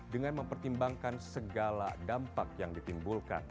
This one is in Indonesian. dengan mempertimbangkan segala dampak yang ditimbulkan